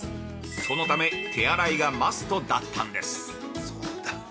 そのため、手洗いがマストだったんです。